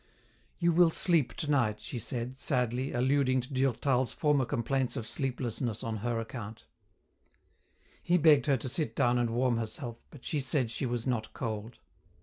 "You will sleep tonight," she said, sadly, alluding to Durtal's former complaints of sleeplessness on her account. He begged her to sit down and warm herself, but she said she was not cold.